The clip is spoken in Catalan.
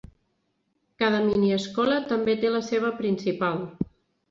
Cada miniescola també té la seva principal.